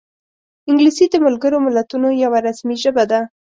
انګلیسي د ملګرو ملتونو یوه رسمي ژبه ده